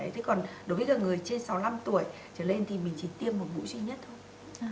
thế còn đối với người trên sáu mươi năm tuổi trở lên thì mình chỉ tiêm một mũi duy nhất thôi